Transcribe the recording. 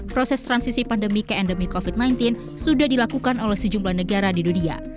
proses transisi pandemi ke endemi covid sembilan belas sudah dilakukan oleh sejumlah negara di dunia